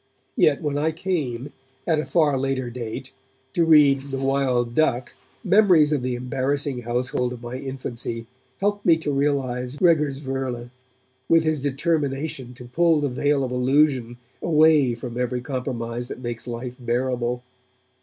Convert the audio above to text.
Yet when I came, at a far later date, to read The Wild Duck, memories of the embarrassing household of my infancy helped me to realize Gregers Werle, with his determination to pull the veil of illusion away from every compromise that makes life bearable.